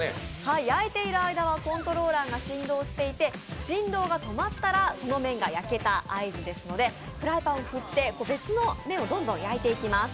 焼いている間はコントローラーが振動していて振動が止まったら、その面が焼けた合図ですのでフライパンを振って、別の面をどんどん焼いていきます。